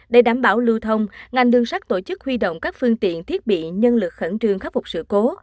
để đảm bảo lưu thông ngành đường sắt tổ chức huy động các phương tiện thiết bị nhân lực khẩn trương khắc phục sự cố